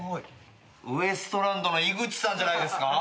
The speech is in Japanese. ウエストランドの井口さんじゃないですか？